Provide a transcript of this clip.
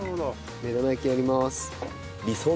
目玉焼きやります。